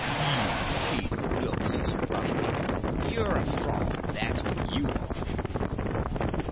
You Peter Wilks's brother! You're a fraud, that's what you are!"